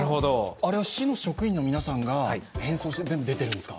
あれは市の職員の皆さんが変装して、全部出てるんですか？